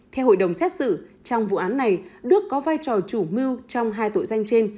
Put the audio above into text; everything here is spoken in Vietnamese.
theo hội đồng xét xử trong vụ án này đức có vai trò chủ mưu trong hai tội danh trên